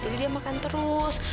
jadi dia makan terus